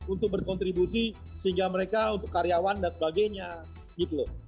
untuk berkontribusi sehingga mereka untuk karyawan dan sebagainya gitu loh